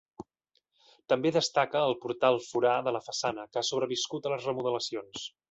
També destaca el portal forà de la façana que ha sobreviscut a les remodelacions.